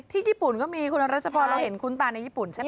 ญี่ปุ่นก็มีคุณรัชพรเราเห็นคุ้นตาในญี่ปุ่นใช่ไหม